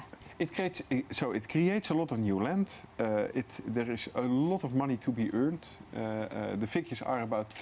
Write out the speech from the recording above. jadi ini menciptakan banyak tanah baru ada banyak uang yang harus diperoleh